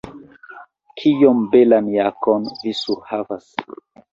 Kiom belan jakon vi surhavas.